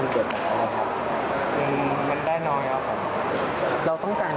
เครื่องประดาษติดการ